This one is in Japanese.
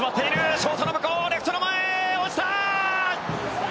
ショートの向こう、レフトの前、落ちた！